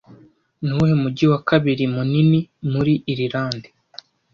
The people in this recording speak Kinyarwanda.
Nuwuhe mujyi wa kabiri munini muri Irilande